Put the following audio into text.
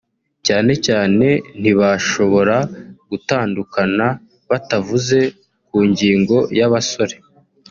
cyane cyane ntibashobora gutandukana batavuze ku ngingo y’abasore